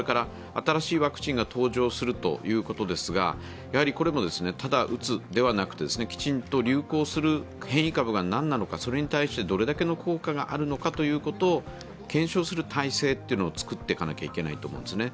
新しいワクチンが登場するということですがこれも、ただ打つではなく、きちんと流行する変異株が何なのか、それに対してどれだけの効果があるのかということを検証する体制というのを作っていかなければいけないと思うんですね。